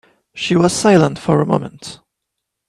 She was silent for a moment.